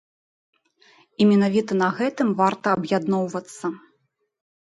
І менавіта на гэтым варта аб'ядноўвацца.